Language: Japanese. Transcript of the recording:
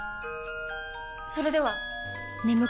それでは！